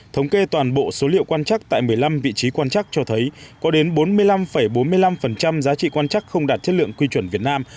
thống kê toàn bộ số liệu quan trắc tại một mươi năm vị trí quan chắc cho thấy có đến bốn mươi năm bốn mươi năm giá trị quan chắc không đạt chất lượng quy chuẩn việt nam